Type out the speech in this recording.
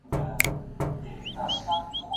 تېر وخت یوازي د عبرت لپاره دی.